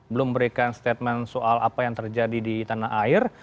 belum memberikan statement soal apa yang terjadi di tanah air